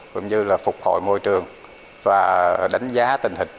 cũng như là phục hồi môi trường và đánh giá tình hình